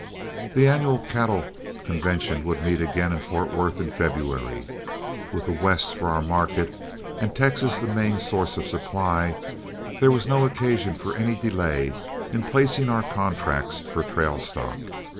The annual cattle convention would meet again in Fort Worth in February. With the West for our market and Texas the main source of supply, there was no occasion for any delay in placing our contracts for trail stock.